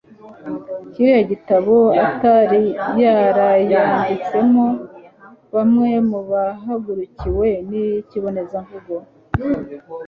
kiriya gitabo atari yarayanditsemo. bamwe mu bahugukiwe n'ikibonezamvugo